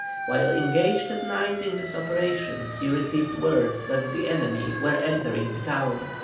While engaged at night in this operation, he received word that the enemy were entering the town.